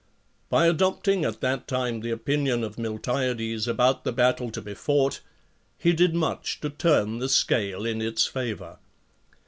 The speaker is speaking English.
By adopting at that time the opinion of Miltiades about the battle to be fought, he did much to turn the scale in its favour.